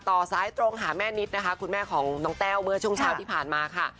ต่อซ้ายตรงหาแม่นิทของน้องแต้ลเมื่อช่วงเช้าที่ผ่านมาค่ะ